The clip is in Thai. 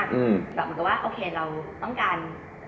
แบบเพราะว่าโอเคว่าเราต้องการ